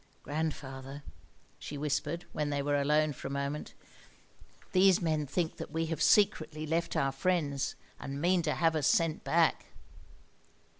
"Grandfather," she whispered, when they were alone for a moment, "these men think that we have secretly left our friends, and mean to have us sent back."